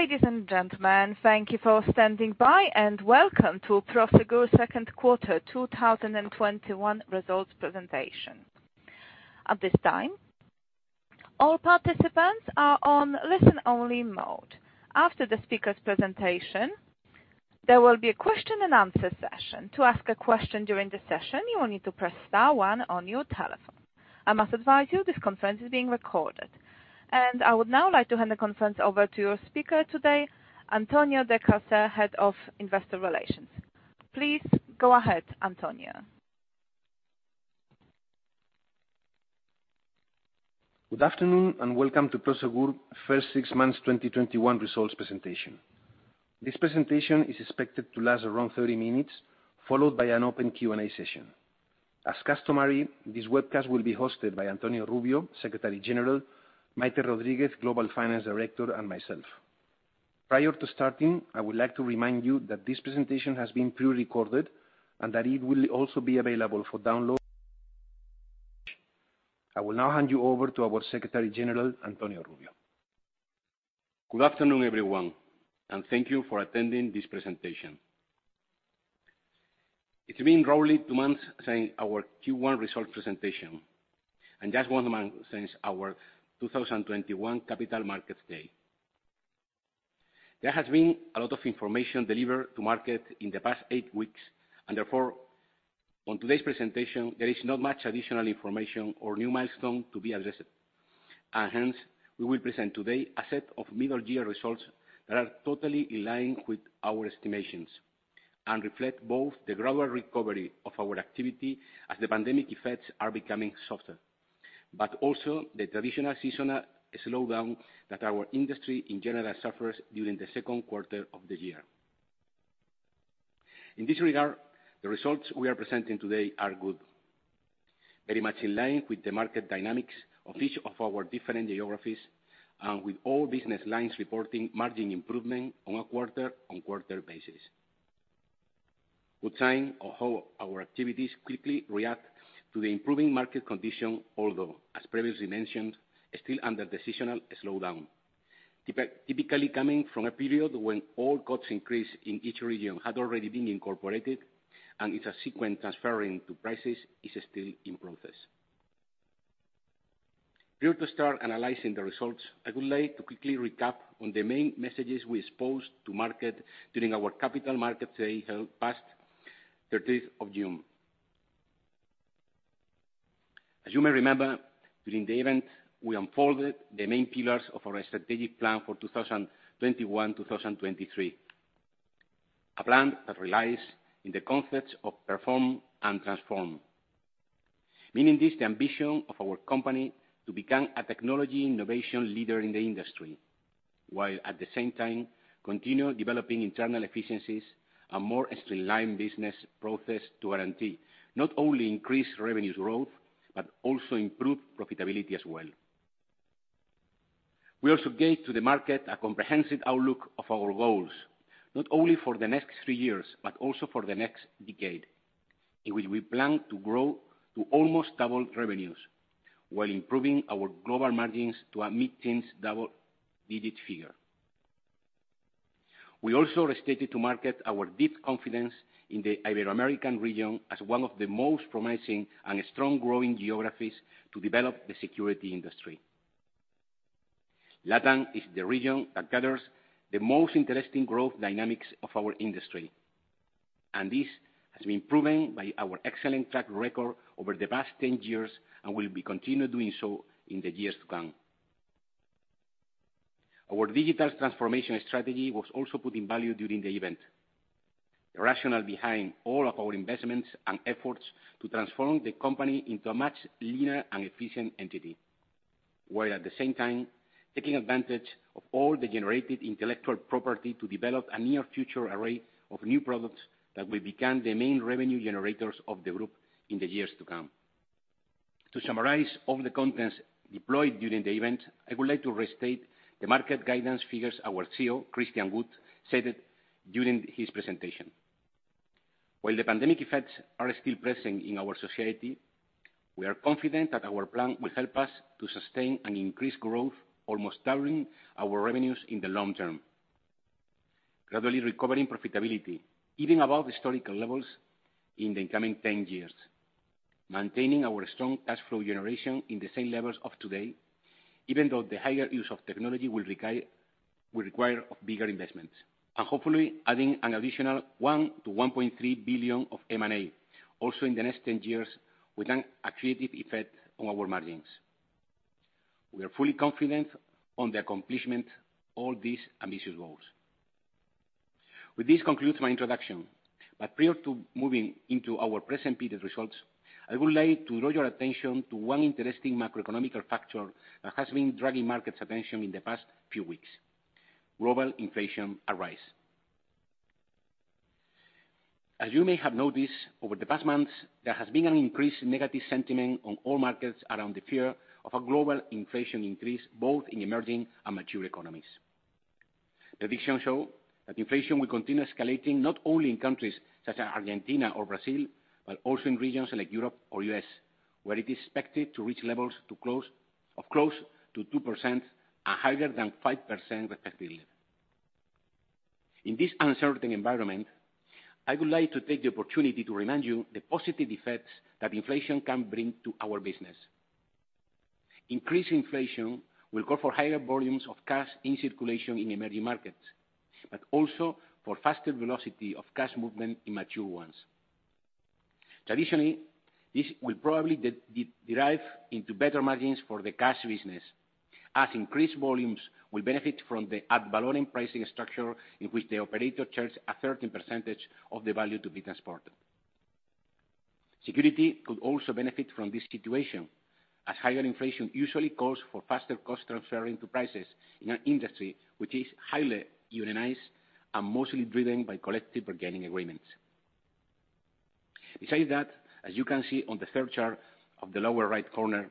Ladies and gentlemen, thank you for standing by, and welcome to Prosegur second quarter 2021 results presentation. At this time, all participants are on listen-only mode. After the speaker's presentation, there will be a question and answer session. To ask a question during the session, you will need to press star one on your telephone. I must advise you, this conference is being recorded. And I would now like to hand the conference over to your speaker today, Antonio de Cárcer, Head of Investor Relations. Please go ahead, Antonio. Good afternoon, and welcome to Prosegur first six months 2021 results presentation. This presentation is expected to last around 30 minutes, followed by an open Q&A session. As customary, this webcast will be hosted by Antonio Rubio, Secretary General, Maite Rodríguez, Global Finance Director, and myself. Prior to starting, I would like to remind you that this presentation has been pre-recorded, and that it will also be available for download. I will now hand you over to our Secretary General, Antonio Rubio. Good afternoon, everyone, and thank you for attending this presentation. It's been roughly two months since our Q1 result presentation, and just one month since our 2021 Capital Markets Day. There has been a lot of information delivered to market in the past eight weeks, and therefore, on today's presentation, there is not much additional information or new milestone to be addressed. Hence, we will present today a set of mid-year results that are totally in line with our estimations and reflect both the global recovery of our activity as the pandemic effects are becoming softer. Also the traditional seasonal slowdown that our industry in general suffers during the second quarter of the year. In this regard, the results we are presenting today are good. Very much in line with the market dynamics of each of our different geographies and with all business lines reporting margin improvement on a quarter-on-quarter basis. Good sign of how our activities quickly react to the improving market condition. Although, as previously mentioned, still under decisional slowdown, typically coming from a period when all costs increase in each region had already been incorporated, and its subsequent transferring to prices is still in process. Prior to start analyzing the results, I would like to quickly recap on the main messages we exposed to market during our Capital Markets Day held past 30th of June. As you may remember, during the event, we unfolded the main pillars of our strategic plan for 2021-2023. A plan that relies on the concepts of perform and transform. Meaning this, the ambition of our company to become a technology innovation leader in the industry, while at the same time continue developing internal efficiencies and more streamlined business process to guarantee not only increased revenues growth, but also improve profitability as well. We also gave to the market a comprehensive outlook of our goals, not only for the next three years, but also for the next decade, in which we plan to grow to almost double revenues while improving our global margins to a mid-teens double-digit figure. We also restated to market our deep confidence in the Ibero-American region as one of the most promising and strong growing geographies to develop the security industry. LatAm is the region that gathers the most interesting growth dynamics of our industry, and this has been proven by our excellent track record over the past 10 years and will be continued doing so in the years to come. Our digital transformation strategy was also put in value during the event. The rationale behind all of our investments and efforts to transform the company into a much leaner and efficient entity. While at the same time, taking advantage of all the generated intellectual property to develop a near future array of new products that will become the main revenue generators of the group in the years to come. To summarize all the contents deployed during the event, I would like to restate the market guidance figures our CEO, Christian Gut, stated during his presentation. While the pandemic effects are still present in our society, we are confident that our plan will help us to sustain an increased growth, almost doubling our revenues in the long term. Gradually recovering profitability, even above historical levels in the coming 10 years. Maintaining our strong cash flow generation in the same levels of today, even though the higher use of technology will require bigger investments. Hopefully adding an additional 1 billion-1.3 billion of M&A also in the next 10 years with an accretive effect on our margins. We are fully confident on the accomplishment all these ambitious goals. With this concludes my introduction, prior to moving into our present period results, I would like to draw your attention to one interesting macroeconomic factor that has been dragging market's attention in the past few weeks. Global inflation arise. As you may have noticed, over the past months, there has been an increased negative sentiment on all markets around the fear of a global inflation increase both in emerging and mature economies. Predictions show that inflation will continue escalating not only in countries such as Argentina or Brazil, but also in regions like Europe or U.S. Where it is expected to reach levels of close to 2% and higher than 5% respectively. In this uncertain environment, I would like to take the opportunity to remind you the positive effects that inflation can bring to our business. Increased inflation will call for higher volumes of cash in circulation in emerging markets, but also for faster velocity of cash movement in mature ones. Traditionally, this will probably derive into better margins for the Cash business, as increased volumes will benefit from the add volume pricing structure in which the operator charges a certain percentage of the value to be transported. Security could also benefit from this situation, as higher inflation usually calls for faster cost transfer into prices in an industry which is highly unionized and mostly driven by collective bargaining agreements. Besides that, as you can see on the third chart of the lower right corner,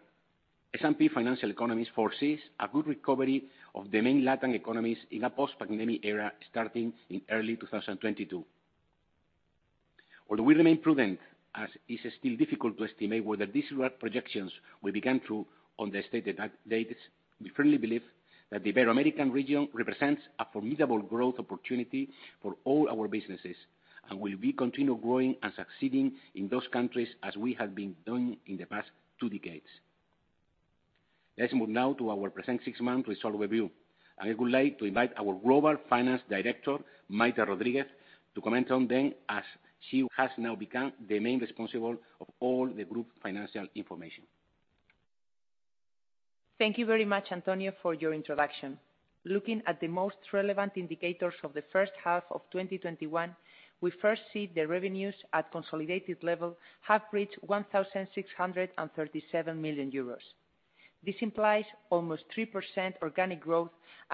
S&P Financial Economists foresees a good recovery of the main LatAm economies in a post-pandemic era starting in early 2022. Although we remain prudent, as it is still difficult to estimate whether these projections will become true on the stated dates, we firmly believe that the Ibero-American region represents a formidable growth opportunity for all our businesses and will be continued growing and succeeding in those countries as we have been doing in the past two decades. Let's move now to our present six months result review. I would like to invite our Global Finance Director, Maite Rodríguez, to comment on them as she has now become the main responsible of all the group financial information. Thank you very much, Antonio, for your introduction. Looking at the most relevant indicators of the first half of 2021, we first see the revenues at consolidated level have reached 1,637 million euros. This implies almost 3% organic growth.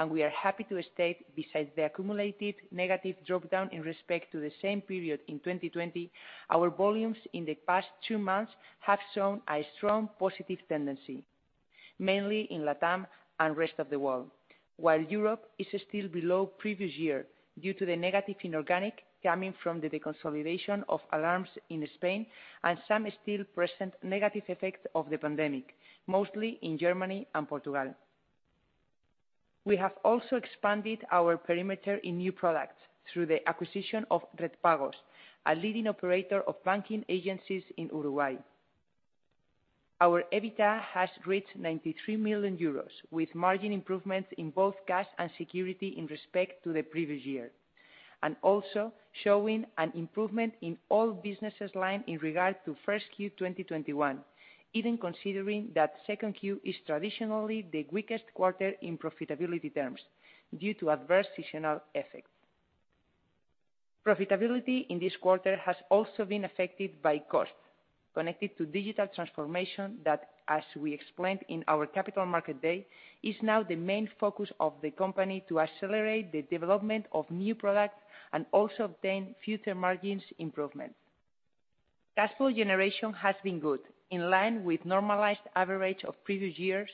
We are happy to state, besides the accumulated negative drop-down in respect to the same period in 2020, our volumes in the past two months have shown a strong positive tendency, mainly in LatAm and rest of the world. While Europe is still below previous year due to the negative inorganic coming from the deconsolidation of Alarms in Spain and some still present negative effect of the pandemic, mostly in Germany and Portugal. We have also expanded our perimeter in new products through the acquisition of Redpagos, a leading operator of banking agencies in Uruguay. Our EBITDA has reached 93 million euros, with margin improvements in both cash and security in respect to the previous year, also showing an improvement in all business lines in regard to first Q 2021, even considering that second Q is traditionally the weakest quarter in profitability terms due to adverse seasonal effects. Profitability in this quarter has also been affected by costs connected to digital transformation that, as we explained in our Capital Markets Day, is now the main focus of the company to accelerate the development of new products and also obtain future margins improvements. Cash flow generation has been good, in line with normalized average of previous years,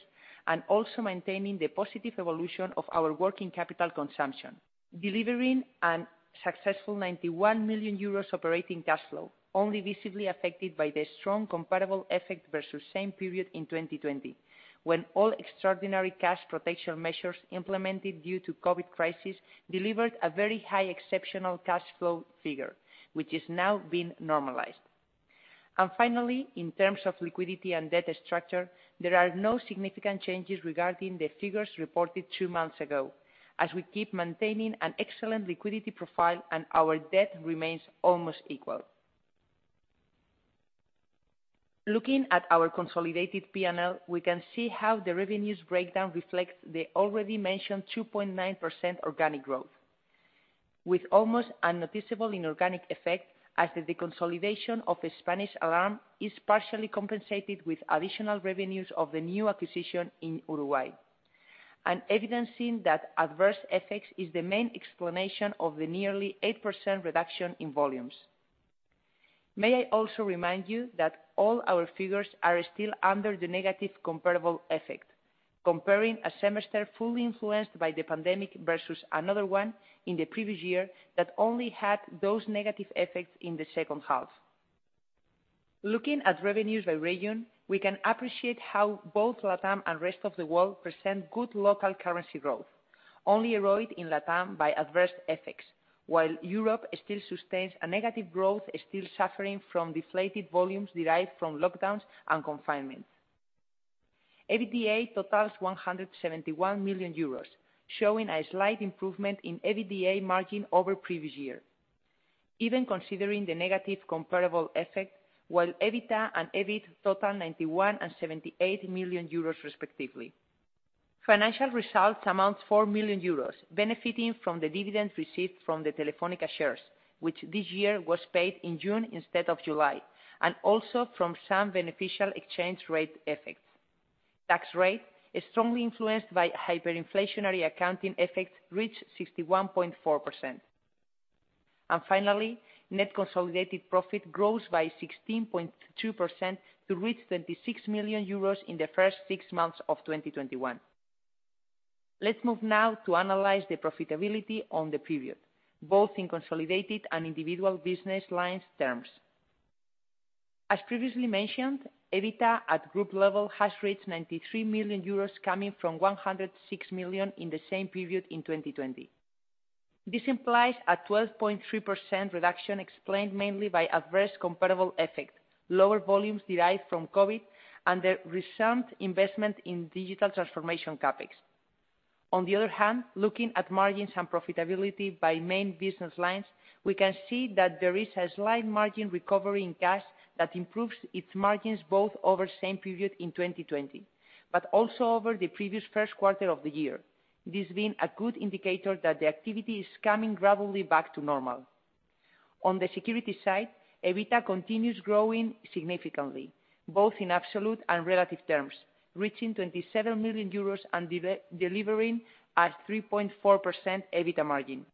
and also maintaining the positive evolution of our working capital consumption, delivering a successful 91 million euros operating cash flow, only visibly affected by the strong comparable effect versus same period in 2020, when all extraordinary cash protection measures implemented due to COVID crisis delivered a very high exceptional cash flow figure, which is now being normalized. Finally, in terms of liquidity and debt structure, there are no significant changes regarding the figures reported two months ago, as we keep maintaining an excellent liquidity profile and our debt remains almost equal. Looking at our consolidated P&L, we can see how the revenues breakdown reflects the already mentioned 2.9% organic growth, with almost unnoticeable inorganic effect as the deconsolidation of the Spanish Alarm is partially compensated with additional revenues of the new acquisition in Uruguay, and evidencing that adverse effects is the main explanation of the nearly 8% reduction in volumes. May I also remind you that all our figures are still under the negative comparable effect, comparing a semester fully influenced by the pandemic versus another one in the previous year that only had those negative effects in the second half. Looking at revenues by region, we can appreciate how both LatAm and rest of the world present good local currency growth, only erode in LatAm by adverse effects. While Europe still sustains a negative growth, still suffering from deflated volumes derived from lockdowns and confinements. EBITDA totals 171 million euros, showing a slight improvement in EBITDA margin over previous year, even considering the negative comparable effect, while EBITDA and EBIT total 91 million and 78 million euros respectively. Financial results amount 4 million euros, benefiting from the dividends received from the Telefónica shares, which this year was paid in June instead of July, and also from some beneficial exchange rate effects. Tax rate is strongly influenced by hyperinflationary accounting effects, reached 61.4%. Finally, net consolidated profit grows by 16.2% to reach 26 million euros in the first six months of 2021. Let's move now to analyze the profitability on the period, both in consolidated and individual business lines terms. As previously mentioned, EBITDA at group level has reached 93 million euros coming from 106 million in the same period in 2020. This implies a 12.3% reduction explained mainly by adverse comparable effect, lower volumes derived from COVID, and the recent investment in digital transformation CapEx. On the other hand, looking at margins and profitability by main business lines, we can see that there is a slight margin recovery in cash that improves its margins both over the same period in 2020, but also over the previous first quarter of the year. This being a good indicator that the activity is coming gradually back to normal. On the security side, EBITDA continues growing significantly, both in absolute and relative terms, reaching 27 million euros and delivering a 3.4% EBITDA margin.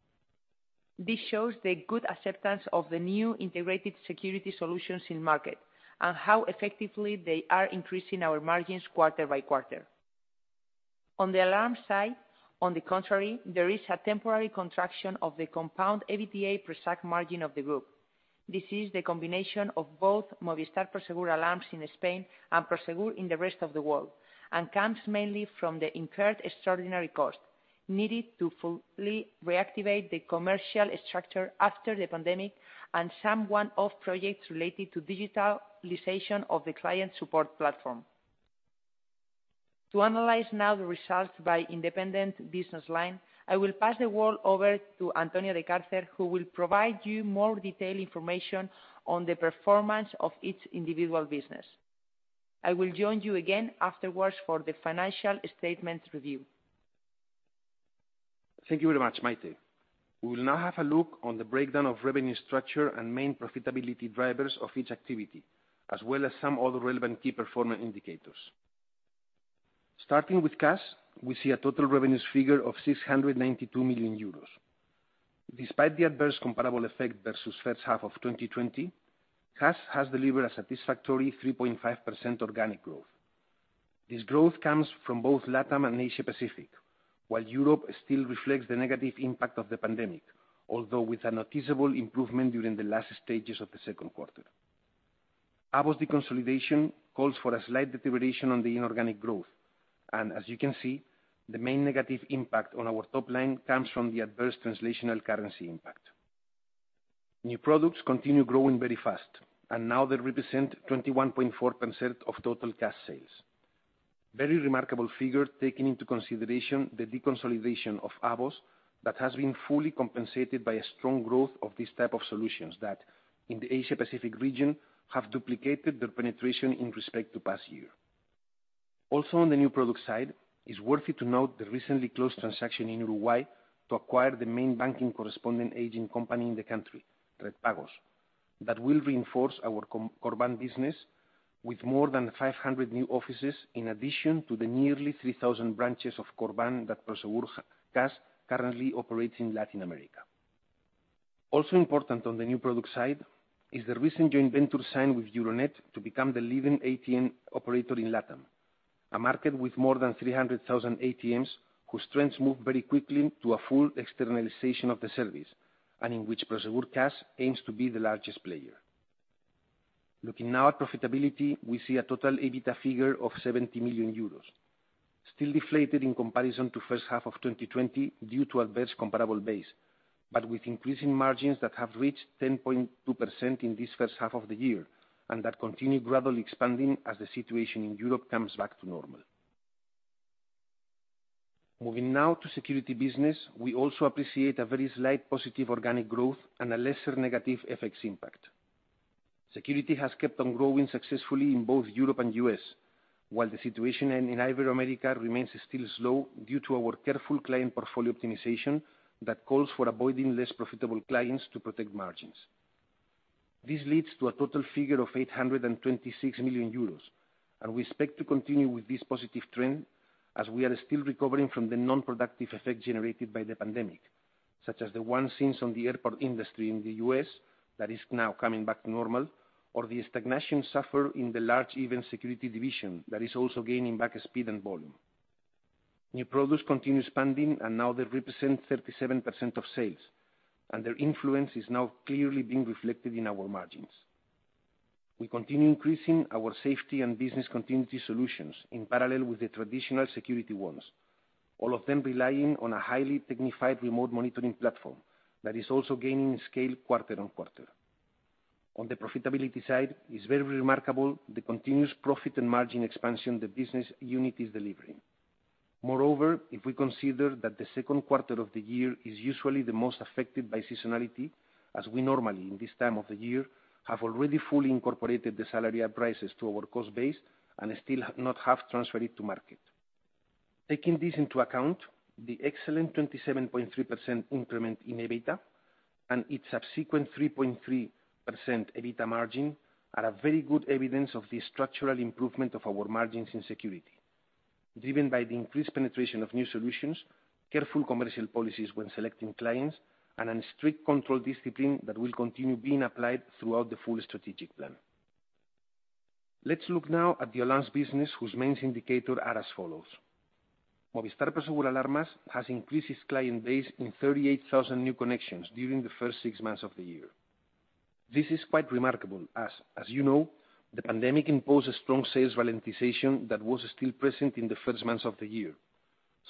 This shows the good acceptance of the new integrated security solutions in market and how effectively they are increasing our margins quarter by quarter. On the alarm side, on the contrary, there is a temporary contraction of the compound EBITDA pre-SAC margin of the group. This is the combination of both Movistar Prosegur Alarmas in Spain and Prosegur in the rest of the world, and comes mainly from the incurred extraordinary cost needed to fully reactivate the commercial structure after the pandemic and some one-off projects related to digitalization of the client support platform. To analyze now the results by independent business line, I will pass the call over to Antonio de Cárcer, who will provide you more detailed information on the performance of each individual business. I will join you again afterwards for the financial statements review. Thank you very much, Maite. We will now have a look on the breakdown of revenue structure and main profitability drivers of each activity, as well as some other relevant key performance indicators. Starting with Prosegur Cash, we see a total revenues figure of 692 million euros. Despite the adverse comparable effect versus first half of 2020, Prosegur Cash has delivered a satisfactory 3.5% organic growth. This growth comes from both LatAm and Asia Pacific, while Europe still reflects the negative impact of the pandemic, although with a noticeable improvement during the last stages of the second quarter. AVOS deconsolidation calls for a slight deterioration on the inorganic growth. As you can see, the main negative impact on our top line comes from the adverse translational currency impact. New products continue growing very fast. Now they represent 21.4% of total Prosegur Cash sales. Very remarkable figure, taking into consideration the deconsolidation of AVOS that has been fully compensated by a strong growth of this type of solutions that, in the Asia Pacific region, have duplicated their penetration in respect to past year. On the new product side, it's worthy to note the recently closed transaction in Uruguay to acquire the main banking correspondent agent company in the country, Redpagos, that will reinforce our Corban business with more than 500 new offices, in addition to the nearly 3,000 branches of Corban that Prosegur Cash currently operates in Latin America. Important on the new product side is the recent joint venture signed with Euronet to become the leading ATM operator in LatAm, a market with more than 300,000 ATMs whose trends move very quickly to a full externalization of the service, and in which Prosegur Cash aims to be the largest player. Looking now at profitability, we see a total EBITDA figure of 70 million euros. Still deflated in comparison to first half of 2020 due to adverse comparable base, but with increasing margins that have reached 10.2% in this first half of the year, and that continue gradually expanding as the situation in Europe comes back to normal. Moving now to security business, we also appreciate a very slight positive organic growth and a lesser negative FX impact. Security has kept on growing successfully in both Europe and U.S., while the situation in Ibero-America remains still slow due to our careful client portfolio optimization that calls for avoiding less profitable clients to protect margins. This leads to a total figure of 826 million euros, and we expect to continue with this positive trend as we are still recovering from the non-productive effect generated by the pandemic, such as the ones seen on the airport industry in the U.S. that is now coming back to normal, or the stagnation suffered in the large event security division that is also gaining back speed and volume. New products continue expanding, now they represent 37% of sales, their influence is now clearly being reflected in our margins. We continue increasing our safety and business continuity solutions in parallel with the traditional security ones, all of them relying on a highly technified remote monitoring platform that is also gaining scale quarter-on-quarter. On the profitability side, it's very remarkable the continuous profit and margin expansion the business unit is delivering. Moreover, if we consider that the second quarter of the year is usually the most affected by seasonality, as we normally, in this time of the year, have already fully incorporated the salary raises to our cost base and still not have transferred it to market. Taking this into account, the excellent 27.3% increment in EBITDA and its subsequent 3.3% EBITDA margin are a very good evidence of the structural improvement of our margins in security, driven by the increased penetration of new solutions, careful commercial policies when selecting clients, and a strict control discipline that will continue being applied throughout the full strategic plan. Let's look now at the alarms business, whose main indicators are as follows. Movistar Prosegur Alarmas has increased its client base by 38,000 new connections during the first six months of the year. This is quite remarkable as you know, the pandemic imposed a strong sales ralentization that was still present in the first months of the year.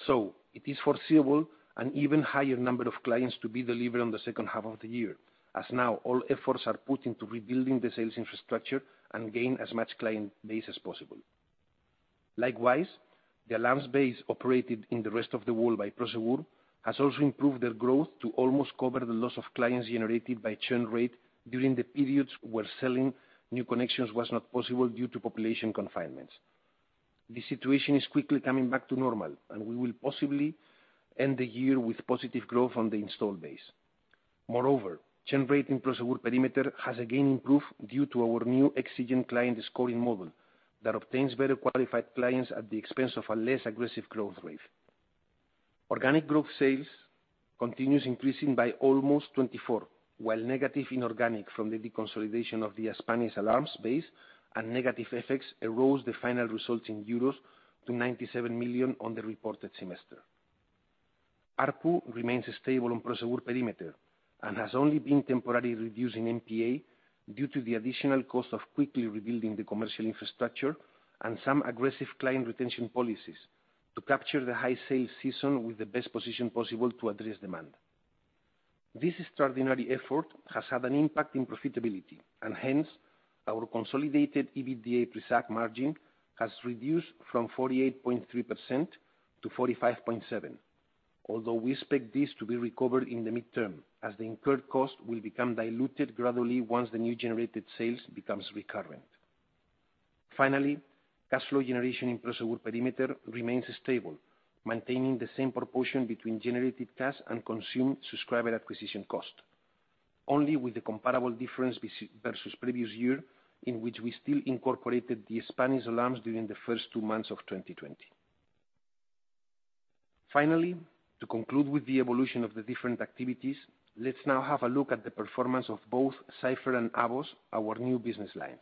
It is foreseeable an even higher number of clients to be delivered in the second half of the year, as now all efforts are put into rebuilding the sales infrastructure and gain as much client base as possible. Likewise, the alarms base operated in the rest of the world by Prosegur has also improved their growth to almost cover the loss of clients generated by churn rate during the periods where selling new connections was not possible due to population confinements. The situation is quickly coming back to normal, and we will possibly end the year with positive growth on the install base. Moreover, churn rate in Prosegur perimeter has again improved due to our new exigent client scoring model that obtains better qualified clients at the expense of a less aggressive growth rate. Organic growth sales continues increasing by almost 24%, while negative inorganic from the deconsolidation of the Spanish Alarms base and negative FX eros the final result in 97 million euros on the reported semester. ARPU remains stable on Prosegur perimeter and has only been temporarily reduced in MPA due to the additional cost of quickly rebuilding the commercial infrastructure and some aggressive client retention policies to capture the high sales season with the best position possible to address demand. This extraordinary effort has had an impact in profitability and hence, our consolidated EBITDA pre-SAC margin has reduced from 48.3%-45.7%. Although we expect this to be recovered in the midterm, as the incurred cost will become diluted gradually once the new generated sales becomes recurrent. Finally, cash flow generation in Prosegur perimeter remains stable, maintaining the same proportion between generated cash and consumed subscriber acquisition cost, only with the comparable difference versus the previous year, in which we still incorporated the Spanish Alarms during the first two months of 2020. Finally, to conclude with the evolution of the different activities, let's now have a look at the performance of both Cipher and AVOS, our new business lines.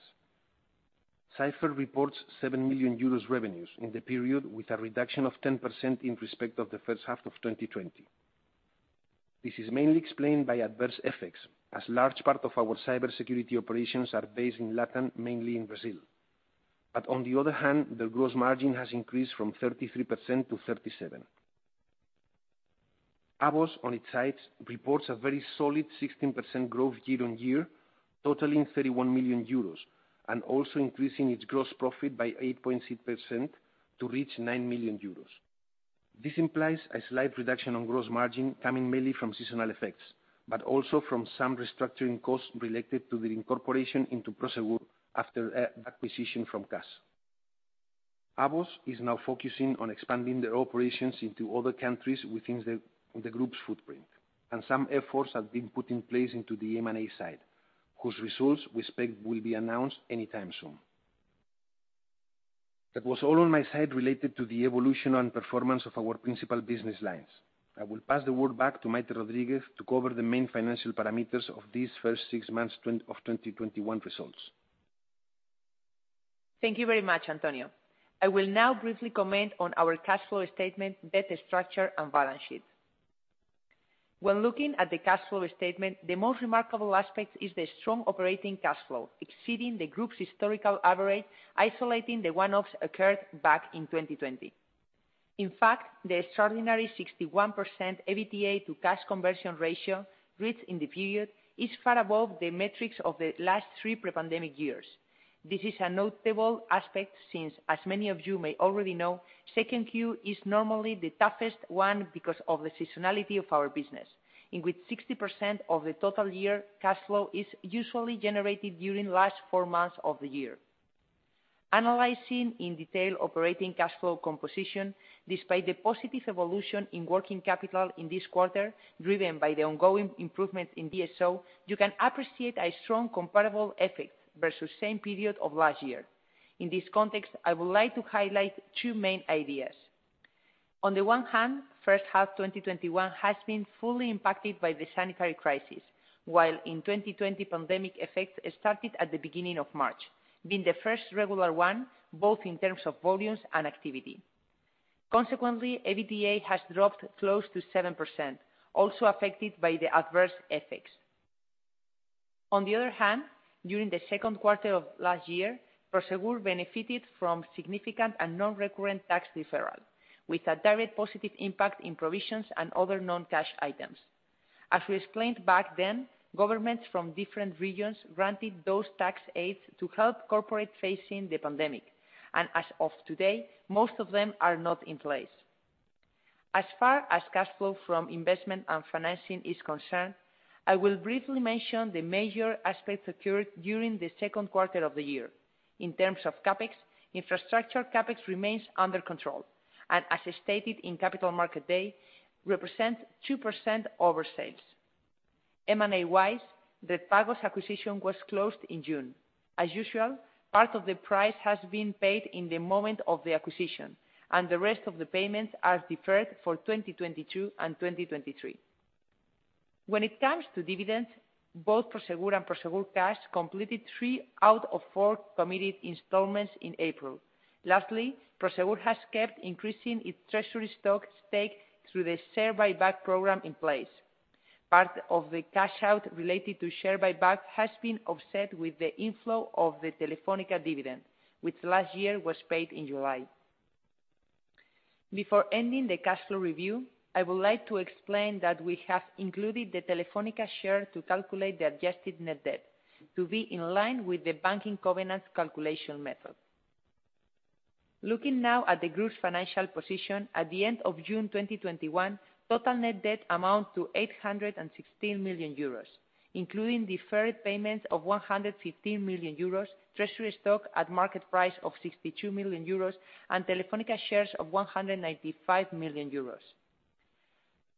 Cipher reports 7 million euros revenues in the period, with a reduction of 10% in respect of the first half of 2020. This is mainly explained by adverse FX, as a large part of our cybersecurity operations are based in LatAm, mainly in Brazil. On the other hand, the gross margin has increased from 33%-37%. AVOS, on its side, reports a very solid 16% growth year-on-year, totaling 31 million euros, and also increasing its gross profit by 8.6% to reach 9 million euros. This implies a slight reduction on gross margin coming mainly from seasonal effects, but also from some restructuring costs related to the incorporation into Prosegur after acquisition from CAS. AVOS is now focusing on expanding their operations into other countries within the group's footprint, and some efforts have been put in place into the M&A side, whose results we expect will be announced anytime soon. That was all on my side related to the evolution and performance of our principal business lines. I will pass the word back to Maite Rodríguez to cover the main financial parameters of these first six months of 2021 results. Thank you very much, Antonio. I will now briefly comment on our cash flow statement, debt structure, and balance sheet. When looking at the cash flow statement, the most remarkable aspect is the strong operating cash flow, exceeding the group's historical average, isolating the one-offs occurred back in 2020. In fact, the extraordinary 61% EBITDA to cash conversion ratio reached in the period is far above the metrics of the last three pre-pandemic years. This is a notable aspect since, as many of you may already know, second Q is normally the toughest one because of the seasonality of our business, in which 60% of the total year cash flow is usually generated during the last four months of the year. Analyzing in detail operating cash flow composition, despite the positive evolution in working capital in this quarter, driven by the ongoing improvement in DSO, you can appreciate a strong comparable effect versus same period of last year. In this context, I would like to highlight two main ideas. On the one hand, first half 2021 has been fully impacted by the sanitary crisis, while in 2020, pandemic effects started at the beginning of March, being the first regular one, both in terms of volumes and activity. Consequently, EBITDA has dropped close to 7%, also affected by the adverse FX. On the other hand, during the second quarter of last year, Prosegur benefited from significant and non-recurrent tax deferral, with a direct positive impact in provisions and other non-cash items. As we explained back then, governments from different regions granted those tax aids to help corporate facing the pandemic, and as of today, most of them are not in place. As far as cash flow from investment and financing is concerned, I will briefly mention the major aspects occurred during the second quarter of the year. In terms of CapEx, infrastructure CapEx remains under control, and as stated in Capital Markets Day, represents 2% over sales. M&A-wise, the Redpagos acquisition was closed in June. As usual, part of the price has been paid in the moment of the acquisition, and the rest of the payments are deferred for 2022 and 2023. When it comes to dividends, both Prosegur and Prosegur Cash completed three out of four committed installments in April. Lastly, Prosegur has kept increasing its treasury stock stake through the share buyback program in place. Part of the cash out related to share buyback has been offset with the inflow of the Telefónica dividend, which last year was paid in July. Before ending the cash flow review, I would like to explain that we have included the Telefónica share to calculate the adjusted net debt to be in line with the banking covenant calculation method. Looking now at the group's financial position at the end of June 2021, total net debt amount to 816 million euros, including deferred payments of 115 million euros, treasury stock at market price of 62 million euros, and Telefónica shares of 195 million euros.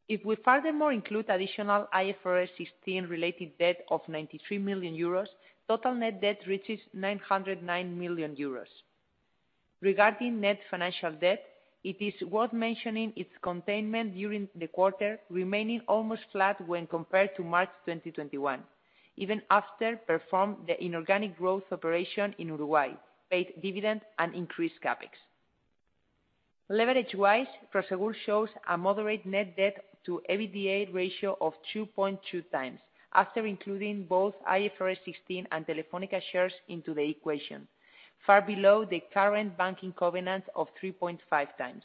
If we furthermore include additional IFRS 16 related debt of 93 million euros, total net debt reaches 909 million euros. Regarding net financial debt, it is worth mentioning its containment during the quarter, remaining almost flat when compared to March 2021, even after perform the inorganic growth operation in Uruguay, paid dividend, and increased CapEx. Leverage-wise, Prosegur shows a moderate net debt-to-EBITDA ratio of 2.2x, after including both IFRS 16 and Telefónica shares into the equation, far below the current banking covenant of 3.5x.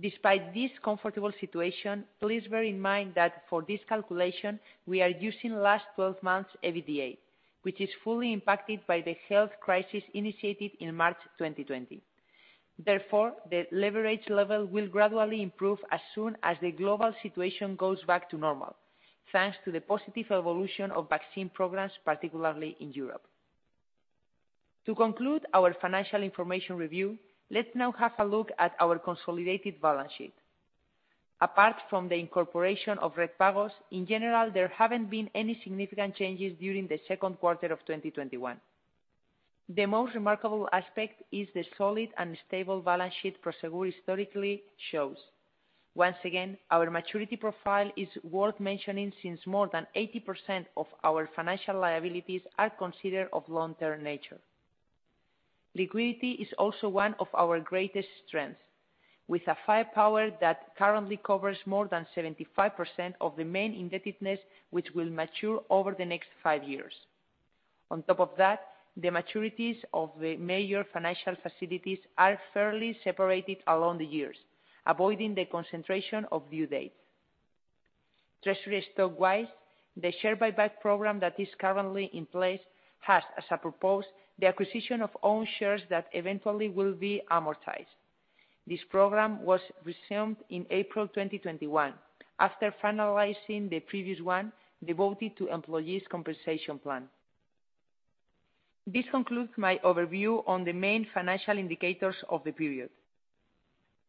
Despite this comfortable situation, please bear in mind that for this calculation, we are using last 12 months EBITDA, which is fully impacted by the health crisis initiated in March 2020. Therefore, the leverage level will gradually improve as soon as the global situation goes back to normal, thanks to the positive evolution of vaccine programs, particularly in Europe. To conclude our financial information review, let's now have a look at our consolidated balance sheet. Apart from the incorporation of RedPagos, in general, there haven't been any significant changes during the second quarter of 2021. The most remarkable aspect is the solid and stable balance sheet Prosegur historically shows. Once again, our maturity profile is worth mentioning, since more than 80% of our financial liabilities are considered of long-term nature. Liquidity is also one of our greatest strengths, with a firepower that currently covers more than 75% of the main indebtedness, which will mature over the next five years. On top of that, the maturities of the major financial facilities are fairly separated along the years, avoiding the concentration of due dates. Treasury stock-wise, the share buyback program that is currently in place has, as a purpose, the acquisition of own shares that eventually will be amortized. This program was resumed in April 2021 after finalizing the previous one devoted to employees' compensation plan. This concludes my overview on the main financial indicators of the period.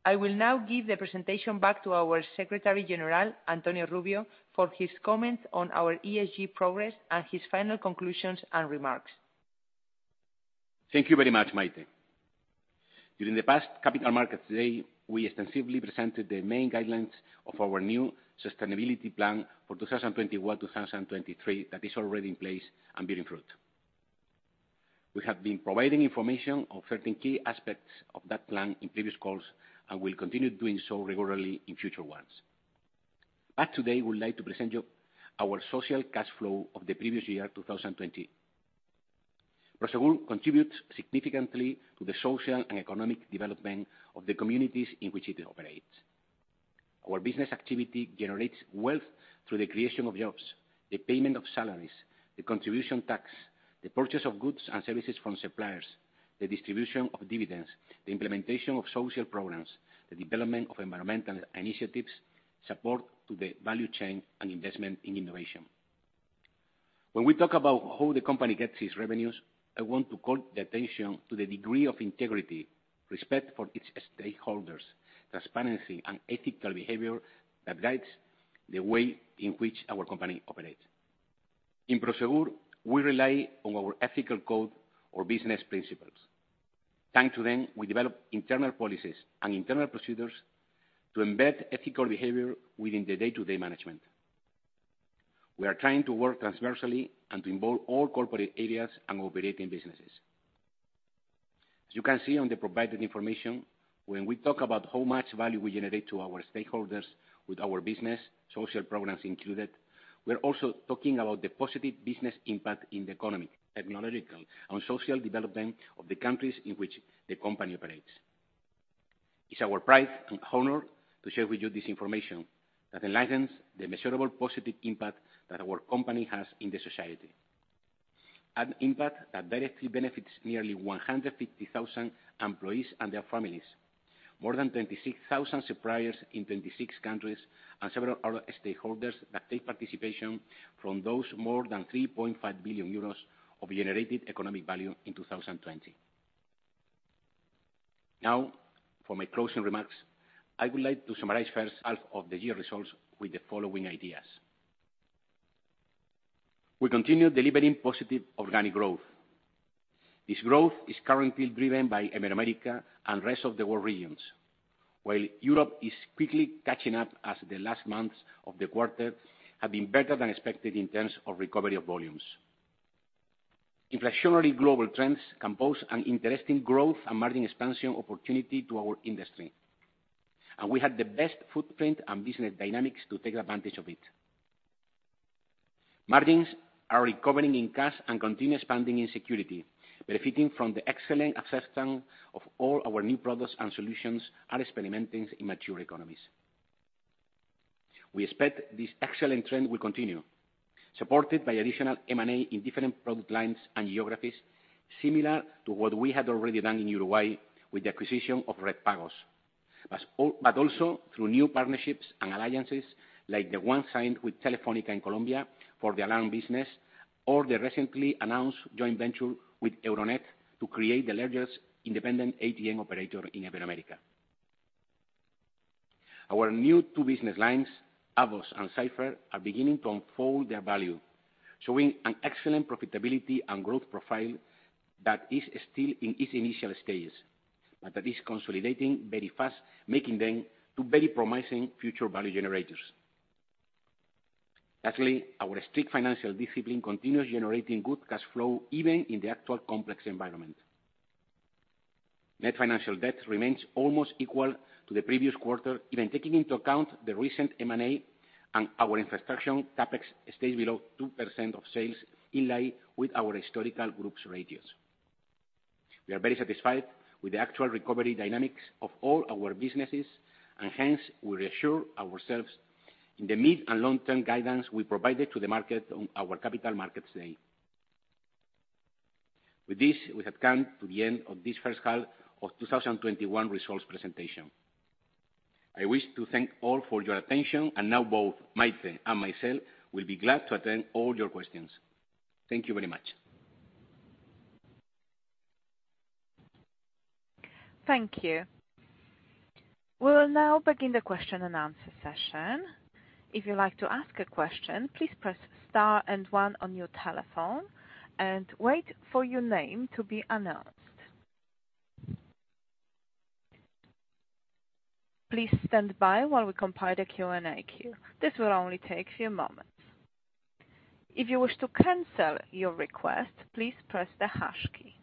I will now give the presentation back to our Secretary General, Antonio Rubio, for his comments on our ESG progress and his final conclusions and remarks. Thank you very much, Maite. During the past Capital Markets Day, we extensively presented the main guidelines of our new sustainability plan for 2021-2023 that is already in place and bearing fruit. We have been providing information on certain key aspects of that plan in previous calls and will continue doing so regularly in future ones. Back today, we would like to present you our social cash flow of the previous year, 2020. Prosegur contributes significantly to the social and economic development of the communities in which it operates. Our business activity generates wealth through the creation of jobs, the payment of salaries, the contribution tax, the purchase of goods and services from suppliers, the distribution of dividends, the implementation of social programs, the development of environmental initiatives, support to the value chain, and investment in innovation. When we talk about how the company gets its revenues, I want to call the attention to the degree of integrity, respect for its stakeholders, transparency, and ethical behavior that guides the way in which our company operates. In Prosegur, we rely on our ethical code or business principles. Thanks to them, we develop internal policies and internal procedures to embed ethical behavior within the day-to-day management. We are trying to work transversally and to involve all corporate areas and operating businesses. As you can see on the provided information, when we talk about how much value we generate to our stakeholders with our business, social programs included, we are also talking about the positive business impact in the economy, technological, and social development of the countries in which the company operates. It's our pride and honor to share with you this information that enlightens the measurable positive impact that our company has in the society. An impact that directly benefits nearly 150,000 employees and their families, more than 26,000 suppliers in 26 countries, and several other stakeholders that take participation from those more than 3.5 billion euros of generated economic value in 2020. Now, for my closing remarks, I would like to summarize first half of the year results with the following ideas. We continue delivering positive organic growth. This growth is currently driven by Ibero-America and rest of the world regions. While Europe is quickly catching up as the last months of the quarter have been better than expected in terms of recovery of volumes. Inflationary global trends compose an interesting growth and margin expansion opportunity to our industry, and we had the best footprint and business dynamics to take advantage of it. Margins are recovering in Prosegur Cash and continue expanding in security, benefiting from the excellent acceptance of all our new products and solutions are experimenting in mature economies. We expect this excellent trend will continue, supported by additional M&A in different product lines and geographies, similar to what we had already done in Uruguay with the acquisition of RedPagos. Also through new partnerships and alliances like the one signed with Telefónica in Colombia for the Alarm business, or the recently announced joint venture with Euronet to create the largest independent ATM operator in Ibero-America. Our new two business lines, AVOS and Cipher, are beginning to unfold their value, showing an excellent profitability and growth profile that is still in its initial stages, but that is consolidating very fast, making them two very promising future value generators. Actually, our strict financial discipline continues generating good cash flow even in the actual complex environment. Net financial debt remains almost equal to the previous quarter, even taking into account the recent M&A and our infrastructure CapEx stays below 2% of sales, in line with our historical groups' ratios. We are very satisfied with the actual recovery dynamics of all our businesses, and hence we reassure ourselves in the mid and long-term guidance we provided to the market on our Capital Markets Day. With this, we have come to the end of this first half of 2021 results presentation. I wish to thank all for your attention, and now both Maite and myself will be glad to attend all your questions. Thank you very much. Thank you. We'll now begin the question and answer session. If you'd like to ask a question, please press star and one on your telephone and wait for your name to be announced. Please stand by while we compile the Q&A queue, this will only take few moments. If you wish to cancel your request, please press the hash key.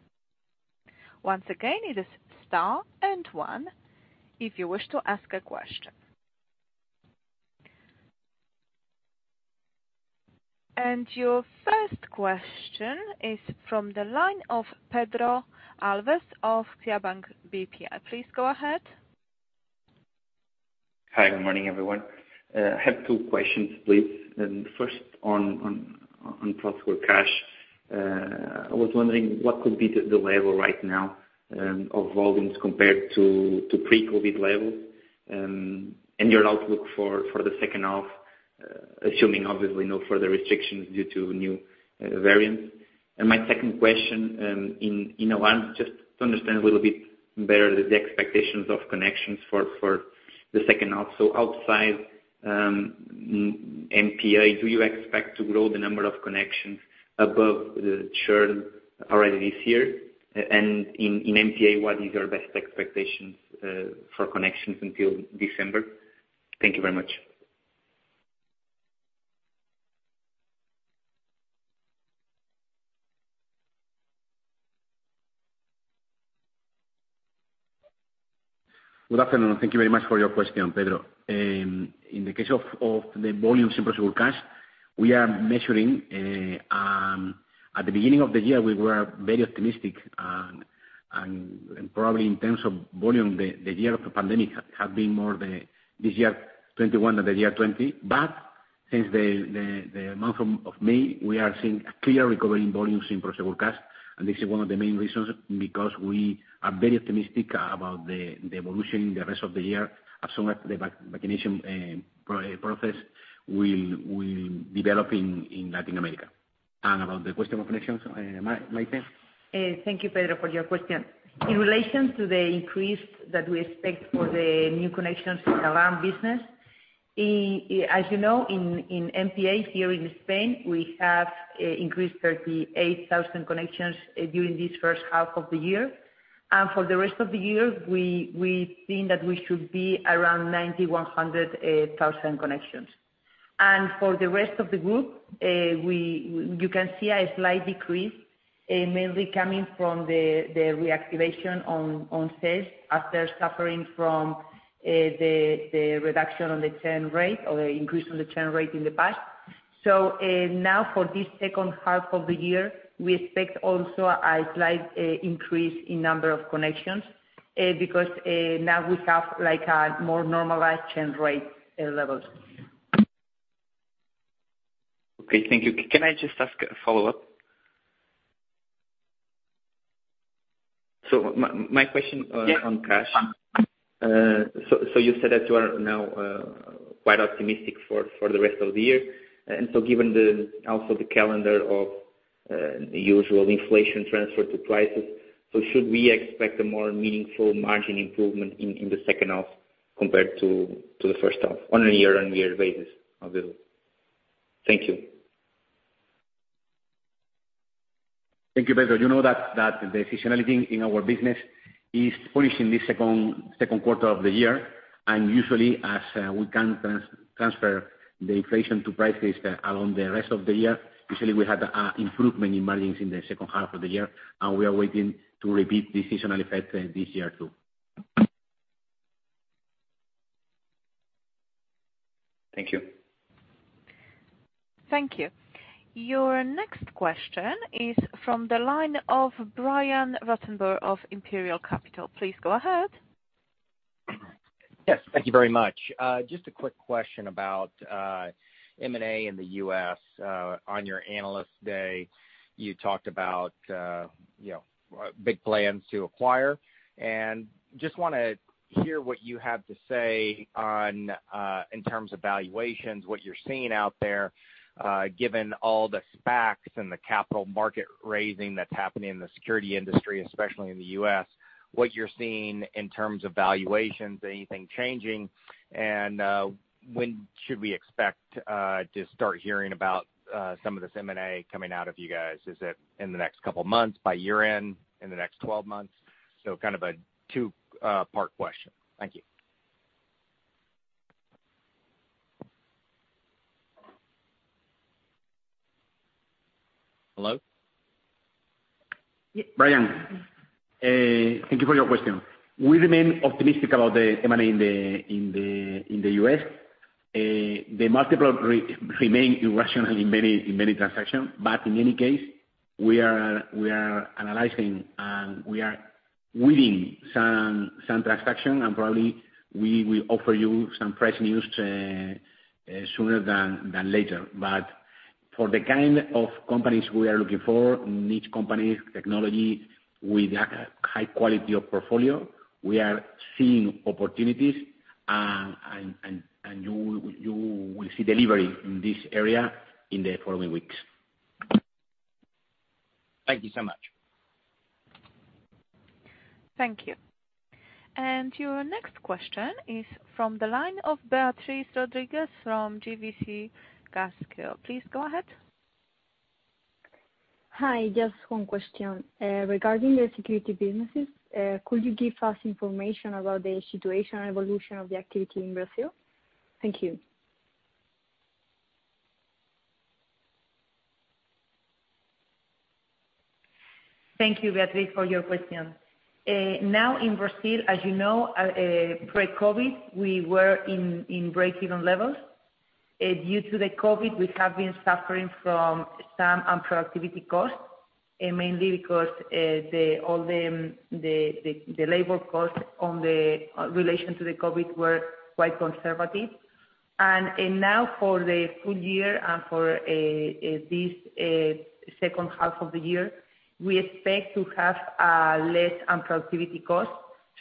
Once again it is star and one if you wish to ask a question. Your first question is from the line of Pedro Alves of CaixaBank BPI. Please go ahead. Hi. Good morning, everyone. I have two questions, please. First, on Prosegur Cash. I was wondering what could be the level right now of volumes compared to pre-COVID levels. Your outlook for the second half, assuming obviously no further restrictions due to new variants? My second question, in Alarm, just to understand a little bit better the expectations of connections for the second half. Outside MPA, do you expect to grow the number of connections above the churn already this year? In MPA, what is your best expectations for connections until December? Thank you very much. Good afternoon. Thank you very much for your question, Pedro. In the case of the volumes in Prosegur Cash, we are measuring. At the beginning of the year, we were very optimistic. Probably in terms of volume, the year of the pandemic have been more this year 2021 than the year 2020. Since the month of May, we are seeing a clear recovery in volumes in Prosegur Cash, and this is one of the main reasons because we are very optimistic about the evolution in the rest of the year as soon as the vaccination process will develop in Latin America. About the question of connections, Maite? Thank you, Pedro, for your question. In relation to the increase that we expect for the new connections in Alarm business, as you know, in MPA here in Spain, we have increased 38,000 connections during this first half of the year. For the rest of the year, we think that we should be around 9,100 connections. For the rest of the group, you can see a slight decrease, mainly coming from the reactivation on sales after suffering from the reduction on the churn rate or the increase on the churn rate in the past. Now for this second half of the year, we expect also a slight increase in number of connections, because now we have a more normalized churn rate levels. Okay. Thank you. Can I just ask a follow-up? My question on Prosegur Cash. Yeah. You said that you are now quite optimistic for the rest of the year. Given also the calendar of the usual inflation transfer to prices. Should we expect a more meaningful margin improvement in the second half compared to the first half on a year-on-year basis? Thank you. Thank you, Pedro. You know that the seasonality in our business is published in the second quarter of the year, and usually as we can transfer the inflation to prices along the rest of the year. Usually, we have improvement in margins in the second half of the year, and we are waiting to repeat the seasonal effect this year, too. Thank you. Thank you. Your next question is from the line of Brian Ruttenbur of Imperial Capital. Please go ahead. Yes, thank you very much. Just a quick question about M&A in the U.S. On your Analyst Day, you talked about big plans to acquire, and just want to hear what you have to say in terms of valuations, what you're seeing out there, given all the SPACs and the capital market raising that's happening in the security industry, especially in the U.S. What you're seeing in terms of valuations, anything changing, and when should we expect to start hearing about some of this M&A coming out of you guys? Is it in the next couple of months, by year-end, in the next 12 months? Kind of a two-part question. Thank you. Hello? Brian, thank you for your question. We remain optimistic about the M&A in the U.S. The multiple remain irrational in many transactions. In any case, we are analyzing, and we are winning some transaction, and probably we will offer you some fresh news sooner than later. For the kind of companies we are looking for, niche companies, technology with high quality of portfolio, we are seeing opportunities, and you will see delivery in this area in the following weeks. Thank you so much. Thank you. Your next question is from the line of Beatriz Rodríguez from GVC Gaesco. Please go ahead. Hi. Just one question. Regarding the security businesses, could you give us information about the situation and evolution of the activity in Brazil? Thank you. Thank you, Beatriz, for your question. In Brazil, as you know, pre-COVID, we were in breakeven levels. Due to the COVID, we have been suffering from some unproductivity costs, mainly because all the labor costs on the relation to the COVID were quite conservative. Now for the full year and for this second half of the year, we expect to have less unproductivity costs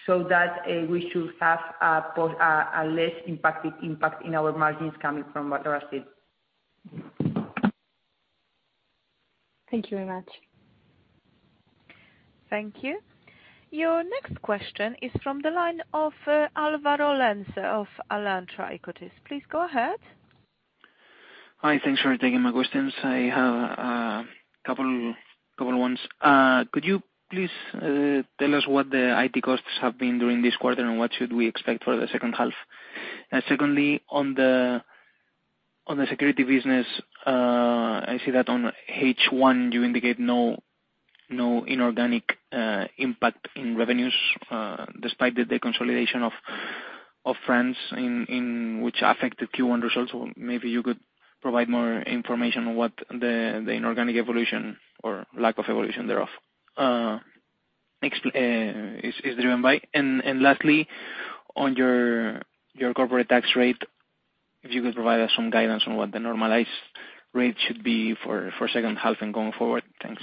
so that we should have a less impact in our margins coming from Brazil. Thank you very much. Thank you. Your next question is from the line of Álvaro Lenze of Alantra Equities. Please go ahead. Hi. Thanks for taking my questions. I have a couple ones. Could you please tell us what the IT costs have been during this quarter, and what should we expect for the second half? Secondly, on the security business, I see that on H1, you indicate no inorganic impact in revenues, despite the deconsolidation of France, which affected Q1 results. Maybe you could provide more information on what the inorganic evolution or lack of evolution thereof is driven by? Lastly, on your corporate tax rate, if you could provide us some guidance on what the normalized rate should be for second half and going forward? Thanks.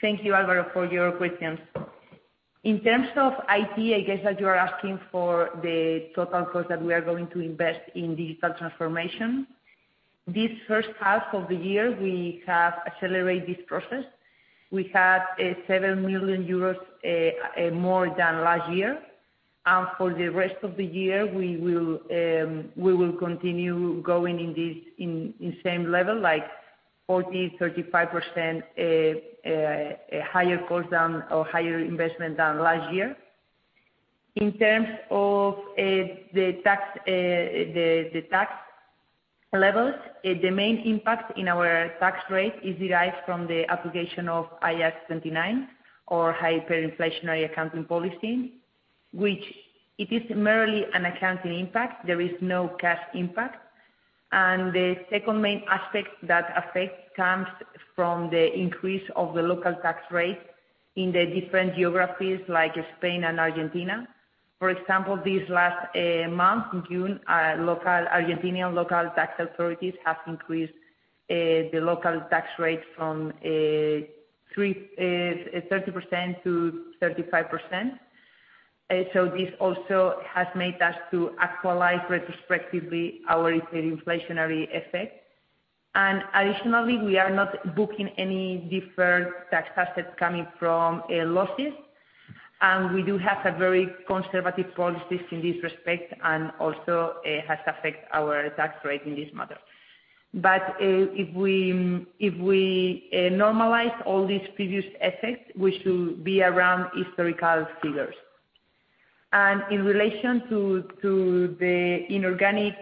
Thank you, Álvaro, for your questions. In terms of IT, I guess that you are asking for the total cost that we are going to invest in digital transformation. This first half of the year, we have accelerated this process. We had 7 million euros more than last year. For the rest of the year, we will continue going in same level, like 40%, 35% higher cost or higher investment than last year. In terms of the tax levels, the main impact in our tax rate is derived from the application of IAS 29 or hyperinflationary accounting policy, which it is merely an accounting impact. There is no cash impact. The second main aspect that affect comes from the increase of the local tax rate in the different geographies like Spain and Argentina. For example, this last month in June, Argentinian local tax authorities have increased the local tax rate from 30%-35%. This also has made us to actualize retrospectively our inflationary effect. Additionally, we are not booking any deferred tax assets coming from losses. We do have a very conservative policies in this respect and also it has affect our tax rate in this matter. If we normalize all these previous effects, we should be around historical figures. In relation to the inorganic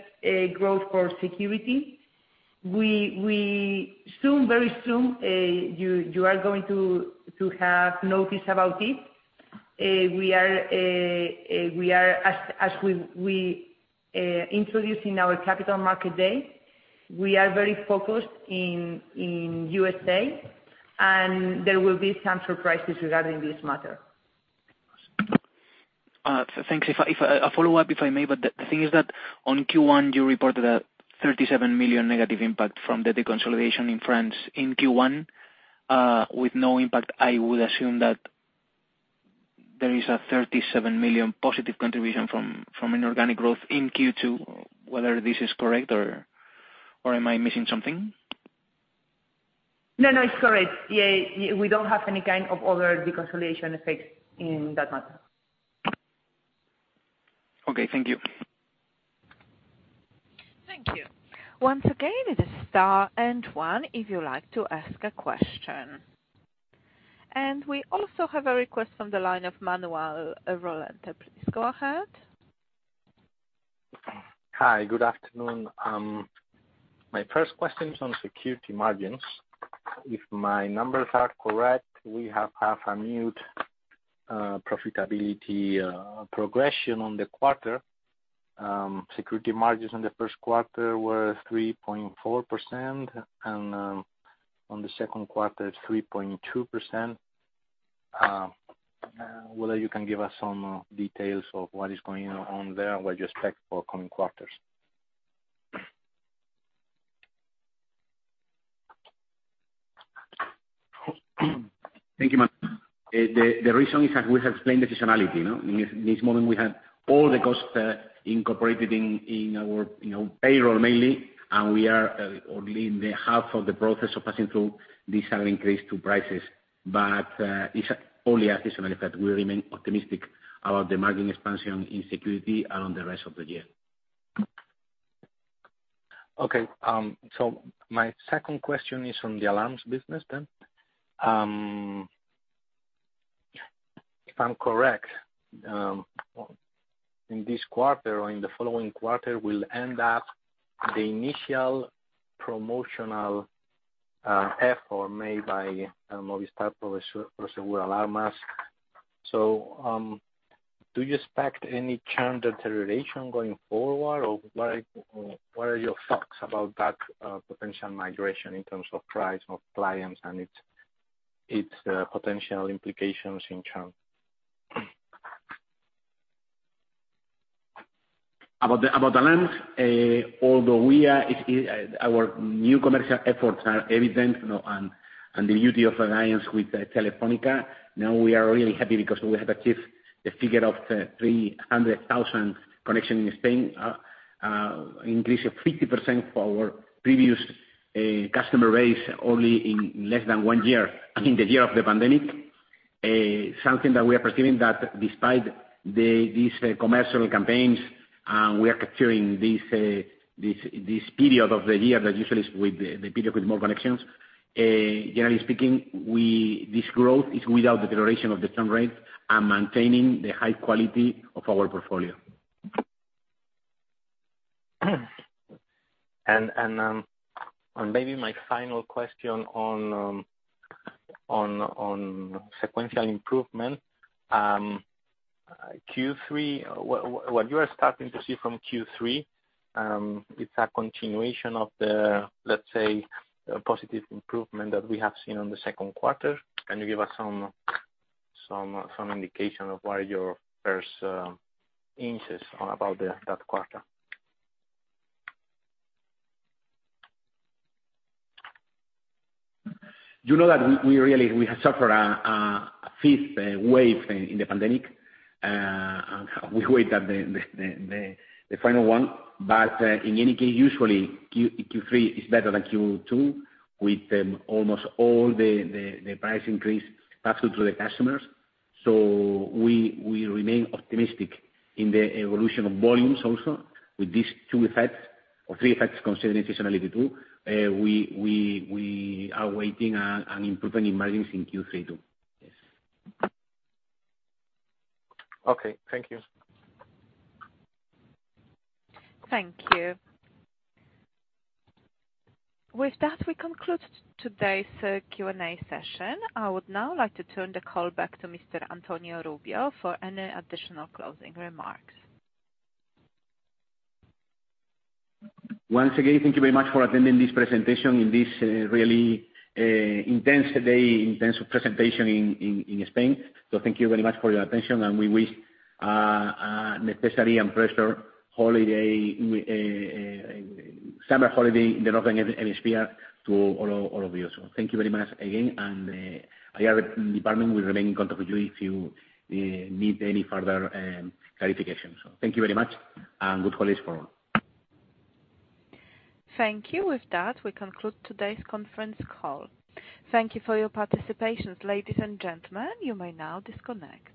growth for security, we soon, very soon, you are going to have notice about it. As we introduce in our Capital Markets Day, we are very focused in USA, and there will be some surprises regarding this matter. Thanks. A follow-up, if I may. The thing is that on Q1, you reported a 37 million negative impact from the deconsolidation in France in Q1 with no impact. I would assume that there is a 37 million positive contribution from inorganic growth in Q2, whether this is correct or am I missing something? No, no, it's correct. Yeah. We don't have any kind of other deconsolidation effects in that matter. Okay. Thank you. Thank you. Once again, it is star and one if you'd like to ask a question. We also have a request from the line of Manuel Lorente. Please go ahead. Hi, good afternoon. My first question is on security margins. If my numbers are correct, we have half a mute profitability progression on the quarter. Security margins on the first quarter were 3.4%, and on the second quarter, it's 3.2%. Whether you can give us some details of what is going on there and what you expect for coming quarters? Thank you, Manuel. The reason is that we have explained the seasonality, no? In this moment we have all the cost incorporated in our payroll mainly, and we are only in the half of the process of passing through these have increase to prices. It's only a seasonal effect. We remain optimistic about the margin expansion in security and on the rest of the year. Okay. My second question is on the Alarms business then. If I'm correct, in this quarter or in the following quarter will end up the initial promotional effort made by Movistar Prosegur Alarmas. Do you expect any churn deterioration going forward, or what are your thoughts about that potential migration in terms of price of clients and its potential implications in churn? About Alarms, although our new commercial efforts are evident, and the beauty of alliance with Telefónica, now we are really happy because we have achieved a figure of 300,000 connection in Spain, increase of 50% for our previous customer base only in less than one year, in the year of the pandemic. Something that we are perceiving that despite these commercial campaigns, we are capturing this period of the year that usually is the period with more connections. Generally speaking, this growth is without deterioration of the churn rate and maintaining the high quality of our portfolio. Maybe my final question on sequential improvement. Q3, what you are starting to see from Q3, it's a continuation of the, let's say, positive improvement that we have seen on the second quarter. Can you give us some indication of what are your first insights about that quarter? You know that we really have suffered a fifth wave in the pandemic. We hope that the final one, but in any case, usually Q3 is better than Q2 with almost all the price increase passed through to the customers. We remain optimistic in the evolution of volumes also with these two effects or three effects considering seasonality too. We are waiting an improvement in margins in Q3 too. Yes. Okay. Thank you. Thank you. With that, we conclude today's Q&A session. I would now like to turn the call back to Mr. Antonio Rubio for any additional closing remarks. Once again, thank you very much for attending this presentation in this really intense day, intense presentation in Spain. Thank you very much for your attention, and we wish necessary and pleasure summer holiday in the Northern Hemisphere to all of you. Thank you very much again, and IR department will remain in contact with you if you need any further clarification. Thank you very much, and good holidays for all. Thank you. With that, we conclude today's conference call. Thank you for your participation. Ladies and gentlemen, you may now disconnect.